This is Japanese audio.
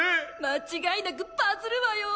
間違いなくバズるわよ！